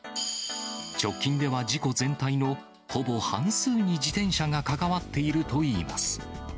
直近では事故全体のほぼ半数に自転車が関わっているといいます。